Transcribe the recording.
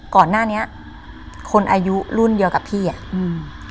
ก่อนหน้านี้คนอายุรุ่นเดียวกับพี่อ่ะอืม